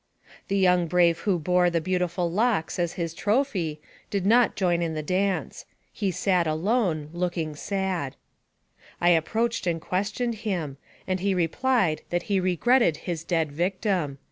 The young brave who bore the beautiful locks as his trophy, did not join in the dance. He sat alone, looking sad. I approached and questioned him, and he replied that he regretted his dead victim.